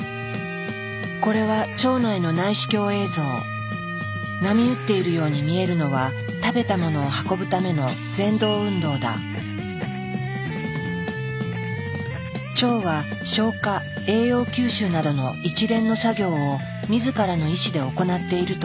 これは波打っているように見えるのは食べたものを運ぶための腸は消化・栄養吸収などの一連の作業を自らの意思で行っているという。